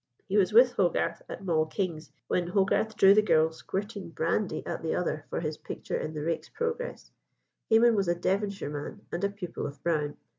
He was with Hogarth at Moll King's when Hogarth drew the girl squirting brandy at the other for his picture in the Rake's Progress. Hayman was a Devonshire man, and a pupil of Brown.